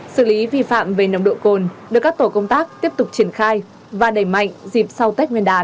xử lý vi phạm về nồng độ cồn được các tổ công tác tiếp tục triển khai và đẩy mạnh dịp sau tết nguyên đán